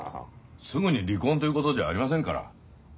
すぐに離婚ということじゃありませんから。